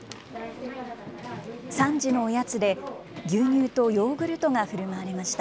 ３時のおやつで、牛乳とヨーグルトがふるまわれました。